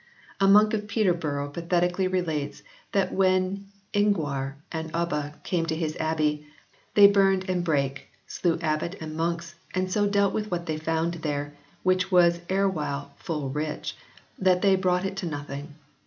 A monk of Peterborough pathetically relates that when Inguar and Ubba came to his abbey "they burned and brake, slew abbot and monks, and so dealt with what they found there, which was erewhile full rich, that they brought it to nothing."